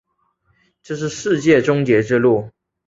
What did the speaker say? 这是世界终结之路。